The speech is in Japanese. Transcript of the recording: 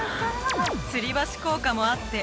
つり橋効果もあって